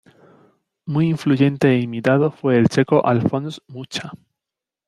Muy influyente e imitado fue el checo Alfons Mucha.